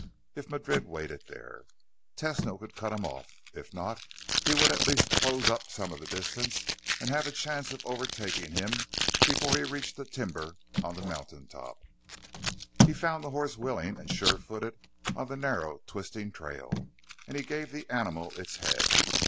If Madrid waited there, Tesno could cut him off. If not, he would at least close up some of the distance and have a chance of overtaking him before he reached the timber on the mountain top. He found the horse willing and sure footed on the narrow, twisting trail, and he gave the animal its head.